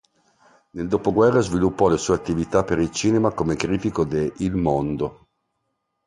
Nel dopoguerra sviluppò le sue attività per il cinema come critico de "Il Mondo".